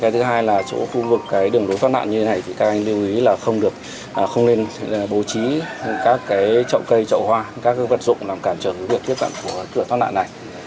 cái thứ hai là chỗ khu vực đường đối thoát nạn như thế này thì các anh lưu ý là không nên bố trí các trậu cây trậu hoa các vật dụng làm cản trở với việc thiết tạm của cửa thoát nạn này